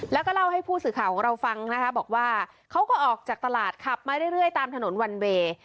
แล้วก็เล่าให้ผู้สื่อข่าวของเราฟังนะคะบอกว่าเขาก็ออกจากตลาดขับมาเรื่อยตามถนนวันเวย์